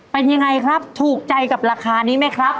เป็นยังไงครับถูกใจกับราคานี้ไหมครับ